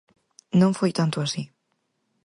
Non foi tanto así.